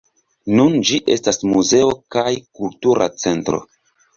Nun ĝi estas muzeo kaj kultura centro.